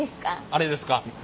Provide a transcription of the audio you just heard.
あれですか。